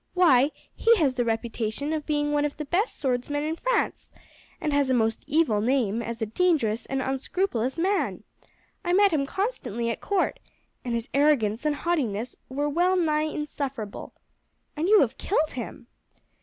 "Why, he has the reputation of being one of the best swordsmen in France, and has a most evil name as a dangerous and unscrupulous man. I met him constantly at court, and his arrogance and haughtiness were well nigh insufferable. And you have killed him?"